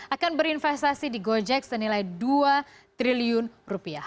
akan berinvestasi di gojek senilai dua triliun rupiah